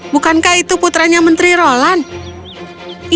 bukankah itu putranya menteri roland